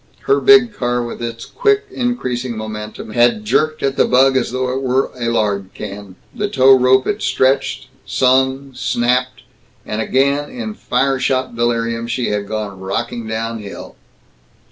Her big car, with its quick increasing momentum, had jerked at the bug as though it were a lard can. The tow rope had stretched, sung, snapped, and again, in fire shot delirium, she had gone rocking down hill.